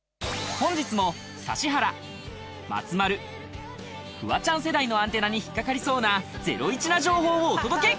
本日も指原、松丸、フワちゃん世代のアンテナに引っ掛かりそうなゼロイチな情報をお届け！